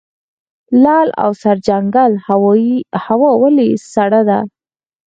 لعل او سرجنګل هوا ولې سړه ده؟